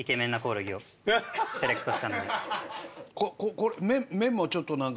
これ麺もちょっと何か。